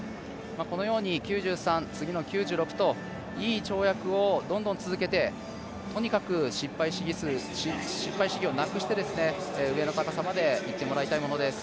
このように９３、次の９６といい跳躍をどんどん続けてとにかく失敗試技をなくして上の高さまでいってもらいたいものです。